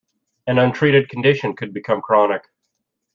An untreated condition could become chronic.